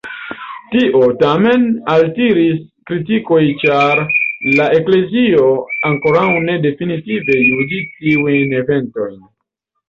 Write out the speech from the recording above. Tio, tamen, altiris kritikoj ĉar la eklezio ankoraŭ ne definitive juĝi tiujn eventojn.